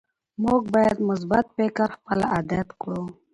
موږ باید مثبت فکر خپل عادت کړو